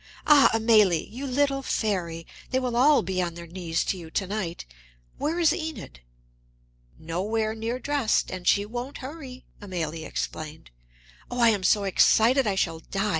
Ah, Amélie, you little fairy! They will all be on their knees to you to night. Where is Enid?" "Nowhere near dressed, and she won't hurry," Amélie explained. "Oh, I am so excited, I shall die!